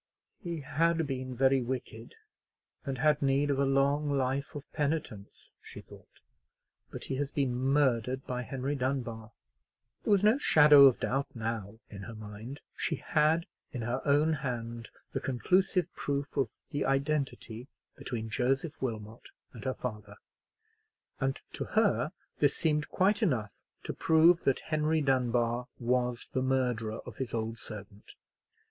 "He had been very wicked, and had need of a long life of penitence," she thought; "but he has been murdered by Henry Dunbar." There was no shadow of doubt now in her mind. She had in her own hand the conclusive proof of the identity between Joseph Wilmot and her father; and to her this seemed quite enough to prove that Henry Dunbar was the murderer of his old servant.